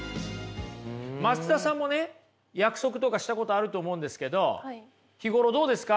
松田さんもね約束とかしたことあると思うんですけど日頃どうですか？